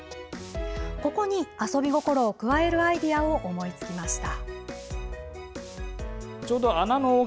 ここに、遊び心を加えるアイデアを思いつきました。